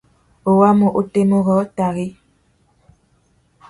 U wāmú otémá rôō tari ?